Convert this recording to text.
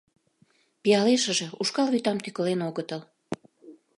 Пиалешыже, ушкал вӱтам тӱкылен огытыл.